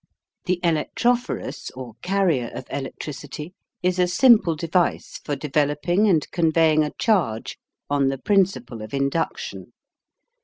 The Electrophorus, or carrier of electricity, is a simple device for developing and conveying a charge on the principle of induction.